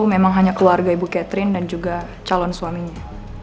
memang hanya keluarga ibu catherine dan juga calon suaminya